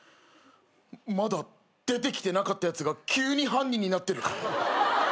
まだ出てきてなかったやつが急に犯人になってる。